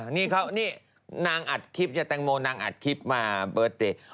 นี่เขานี่นางอัดคลิปจากแตงโมนางอัดคลิปมาเบิร์ตเดย์